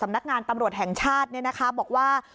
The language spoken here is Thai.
นักงานตำรวจแห่งชาติบอกว่า